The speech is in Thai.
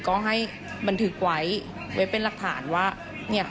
ก็ให้บันทึกไว้ไว้เป็นหลักฐานว่าเนี่ย